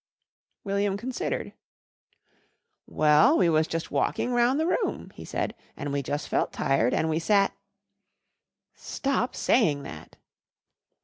William considered. "Well, we was jus' walking round the room," he said, "an' we jus' felt tired and we sat " "Stop saying that."